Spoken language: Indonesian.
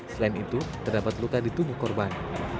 selain itu terdapat luka di tubuh korban